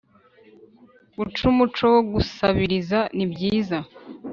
Guca umuco wo gusabiriza nibyiza